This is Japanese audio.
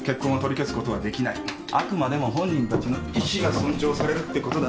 あくまでも本人たちの意志が尊重されるってことだな。